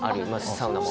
サウナも。